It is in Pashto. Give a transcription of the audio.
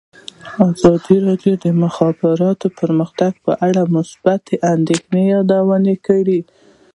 ازادي راډیو د د مخابراتو پرمختګ په اړه د امنیتي اندېښنو یادونه کړې.